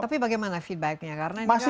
tapi bagaimana feedbacknya